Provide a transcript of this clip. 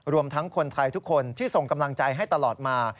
รวมทั้งคนไทยทุกคนที่ส่งกำลังใจให้ตลอดมา